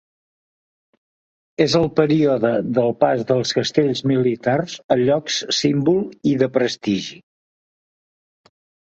És el període del pas dels castells militars a llocs símbol i de prestigi.